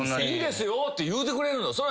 いいですよって言うてくれるの？